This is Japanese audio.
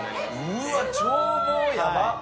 うわっ眺望やばっ！